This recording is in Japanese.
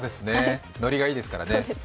ノリがいいですからね。